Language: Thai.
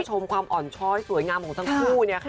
ชมความอ่อนช้อยสวยงามของทั้งคู่